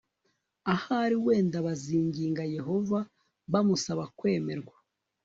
ahari wenda bazinginga yehova bamusaba kwemerwa